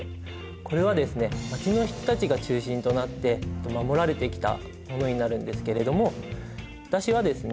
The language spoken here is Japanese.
これはですねまちの人たちが中心となって守られてきたものになるんですけれども私はですね